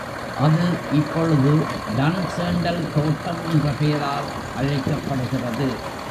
அது இப்பொழுது டன்சேண்டல் தோட்டம் என்ற பெயரால் அழைக்கப்படுகிறது.